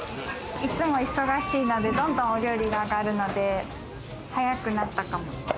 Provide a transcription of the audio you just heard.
いつも忙しいので、どんどんお料理が上がるので早くなったかも。